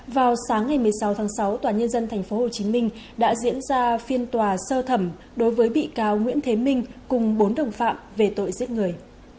vào sáng ngày một mươi sáu tháng sáu tòa nhân dân tp hcm đã diễn ra phiên tòa sơ thẩm đối với bị cáo nguyễn thế minh cùng bốn đồng phạm về tội giết người